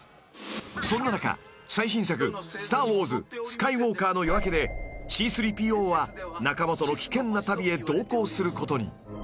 ［そんな中最新作『スター・ウォーズ／スカイウォーカーの夜明け』でＣ−３ＰＯは仲間との危険な旅へ同行することに］